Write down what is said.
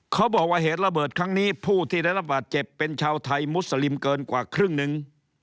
เขาบอกว่าเหตุระเบิดครั้งนี้ผู้ที่ได้รับบาดเจ็บเป็นชาวไทยมุสลิมเกินกว่าครึ่งหนึ่ง